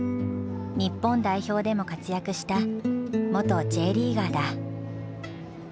日本代表でも活躍した元Ｊリーガーだ。